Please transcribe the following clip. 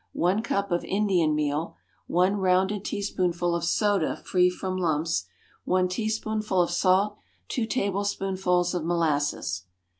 One cup of Indian meal. One "rounded" teaspoonful of soda free from lumps. One teaspoonful of salt. Two tablespoonfuls of molasses.